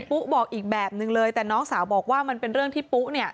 ปุ๊บอกอีกแบบนึงเลยแต่น้องสาวบอกว่ามันเป็นเรื่องที่ปุ๊เนี่ย